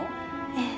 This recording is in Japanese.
ええ。